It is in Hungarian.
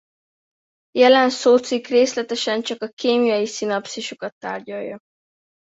Jelen szócikk részletesen csak a kémiai szinapszisokat tárgyalja.